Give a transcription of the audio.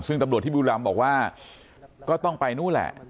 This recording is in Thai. ซึ่งตำรวจที่บุรีรำบอกว่าก็ต้องไปนู่นแหละ